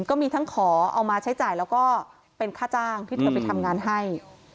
ก็มีทั้งขอเอามาใช้จ่ายแล้วก็เป็นค่าจ้างที่เธอไปทำงานให้